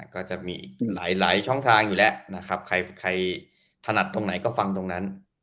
ก็จะมีอีกหลายช่องทางอยู่แล้วนะครับใครถนัดตรงไหนก็ฟังตรงนั้น